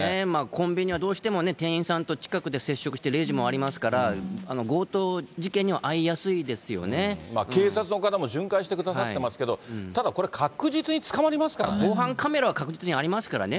コンビニはどうしても店員さんと近くで接触して、レジもありますから、警察の方も巡回してくださってますけど、ただこれ、防犯カメラは確実にありますからね。